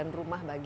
ini sudah dikira